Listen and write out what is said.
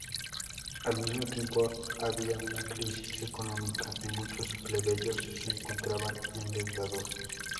Al mismo tiempo, había una crisis económica y muchos plebeyos se encontraban endeudados.